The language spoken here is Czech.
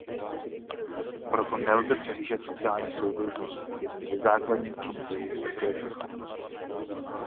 Proto nelze přehlížet sociální soudržnost, jeden ze základních činitelů konkurenceschopnosti.